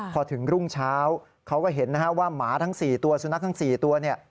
พอถึงรุ่งเช้าเขาก็เห็นนะฮะว่าหมาทั้ง๔ตัวสุนัขทั้ง๔ตัวเนี่ย